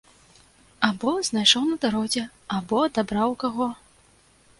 Або знайшоў на дарозе, або адабраў у каго.